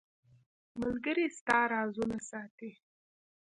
• ملګری ستا رازونه ساتي.